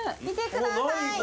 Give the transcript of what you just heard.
見てください！